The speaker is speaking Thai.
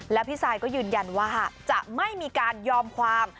และพี่ซายก็ยืนยันว่าจะไม่มีการยอมความ